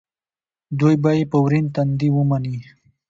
دوی به یې په ورین تندي ومني.